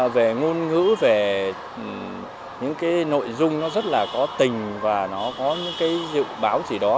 về ngôn ngữ về những cái nội dung nó rất là có tình và nó có những cái dự báo gì đó